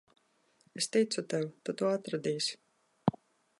Es ticu tev. Tu to atradīsi.